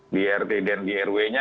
di rt dan di rw nya